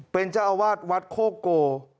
เป็นเจ้าอาวาสวัดโคโก